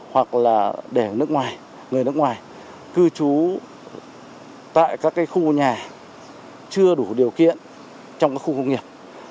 hoặc là để nước ngoài người nước ngoài cư trú tại các khu nhà chưa đủ điều kiện trong các khu công nghiệp